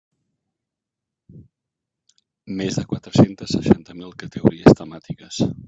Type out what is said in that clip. Més de quatre-centes seixanta mil categories temàtiques.